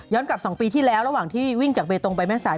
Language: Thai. กลับ๒ปีที่แล้วระหว่างที่วิ่งจากเบตงไปแม่สาย